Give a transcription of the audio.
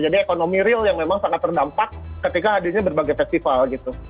jadi ekonomi real yang memang sangat berdampak ketika hadirnya berbagai festival gitu